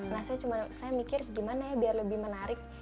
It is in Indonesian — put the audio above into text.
nah saya cuma saya mikir gimana ya biar lebih menarik